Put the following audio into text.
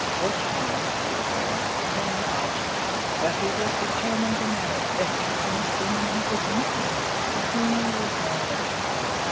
Fortune was, he declared, to him no object; but he was determined to marry the handsomest woman he could meet with, for whom he was now looking out.